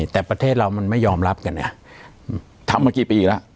แต่ประเทศล่มันยอมรับกันอ่ะทำมากี่ปีละ